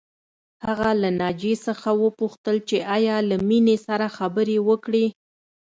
هغه له ناجیې څخه وپوښتل چې ایا له مينې سره خبرې وکړې